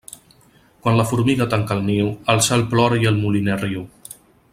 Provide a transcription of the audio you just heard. Quan la formiga tanca el niu, el cel plora i el moliner riu.